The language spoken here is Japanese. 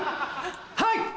はい！